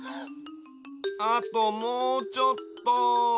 あともうちょっと。